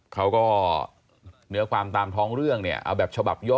เขาก็เนื้อความตามท้องเรื่องเนี่ยเอาแบบฉบับย่อ